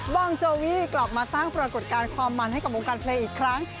วางโจวีกลับมาสร้างปรากฏการณ์ความมันให้กับวงการเพลงอีกครั้ง